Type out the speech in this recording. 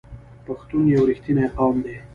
پښتون یو رښتینی قوم دی.